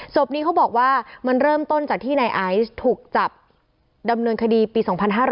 ศพนี้เขาบอกว่ามันเริ่มต้นจากที่นายไอซ์ถูกจับดำเนินคดีปี๒๕๕๙